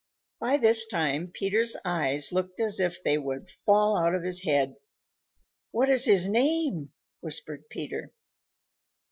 ] By this time Peter's eyes looked as if they would fall out of his head. "What is his name?" whispered Peter.